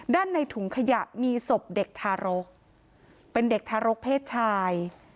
ในถุงขยะมีศพเด็กทารกเป็นเด็กทารกเพศชาย